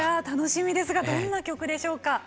楽しみですがどんな曲でしょうか？